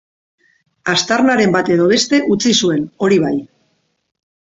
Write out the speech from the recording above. Aztarnaren bat edo beste utzi zuen, hori bai.